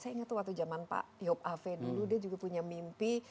saya ingat waktu zaman pak yop ave dulu dia juga punya mimpi